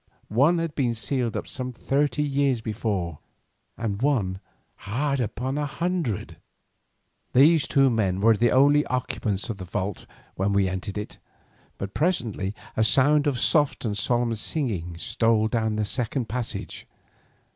One had been sealed up some thirty years before, and one hard upon a hundred. These two men were the only occupants of the vault when we entered it, but presently a sound of soft and solemn singing stole down the second passage.